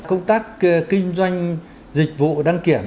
công tác kinh doanh dịch vụ đăng kiểm